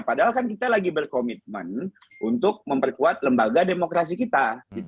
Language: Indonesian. padahal kan kita lagi berkomitmen untuk memperkuat lembaga demokrasi kita